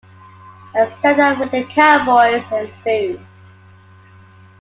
A standoff with the cowboys ensued.